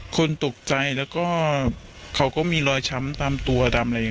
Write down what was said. คนตกใจแล้วก็เขาก็มีรอยช้ำตามตัวดำอะไรอย่างนี้